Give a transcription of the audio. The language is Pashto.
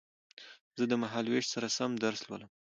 زه د مهال وېش سره سم درس لولم